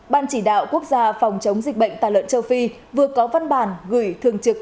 ban chỉ đạo quốc gia phòng chống dịch bệnh tà lợn châu phi vừa có văn bản gửi thường trực